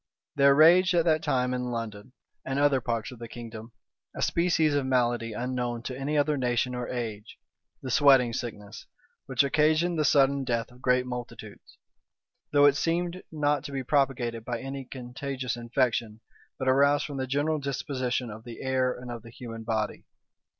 There raged at that time in London, and other parts of the kingdom, a species of malady unknown to any other age or nation, the sweating sickness, which occasioned the sudden death of great multitudes; though it seemed not to be propagated by any contagious infection, but arose from the general disposition of the air and of the human body.